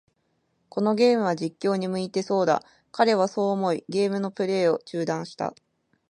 このゲームは、実況に向いてそうだ。彼はそう思い、ゲームのプレイを中断した。